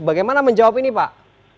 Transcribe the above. bagaimana menjawab ini pak